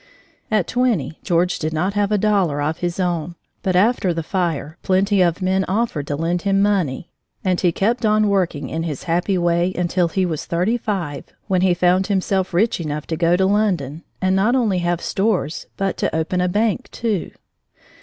At twenty George did not have a dollar of his own, but after the fire plenty of men offered to lend him money, and he kept on working in his happy way until he was thirty five, when he found himself rich enough to go to London and not only have stores but to open a bank, too.